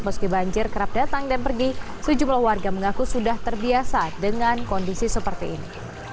meski banjir kerap datang dan pergi sejumlah warga mengaku sudah terbiasa dengan kondisi seperti ini